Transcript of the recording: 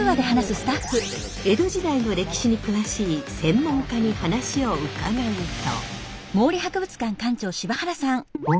江戸時代の歴史に詳しい専門家に話を伺うと。